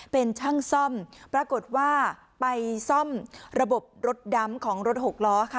เป็นช่างซ่อมปรากฏว่าไปซ่อมระบบรถดำของรถหกล้อค่ะ